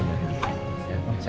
eh ini dia